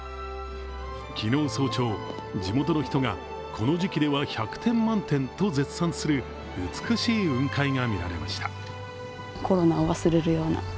昨日早朝、地元の人が、この時期では１００点満点と絶賛する美しい雲海が見られました。